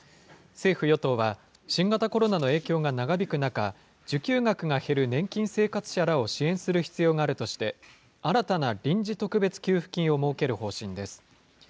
政府・与党は、新型コロナの影響が長引く中、受給額が減る年金生活者らを支援する必要があるとして、新たな臨時特別給付金を設ける方針です。